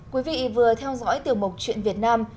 quý vị vừa theo dõi tiểu mục chuyện việt nam